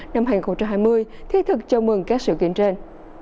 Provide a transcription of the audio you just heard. năm hai nghìn hai mươi thiết thực chào mừng các sự kiện trên